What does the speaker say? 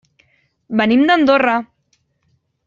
Venim d'Andorra.